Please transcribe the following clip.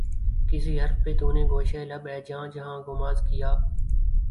کس حرف پہ تو نے گوشۂ لب اے جان جہاں غماز کیا